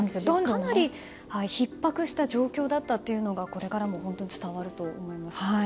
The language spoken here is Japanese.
かなりひっ迫した状況だったことがこれからも伝わると思います。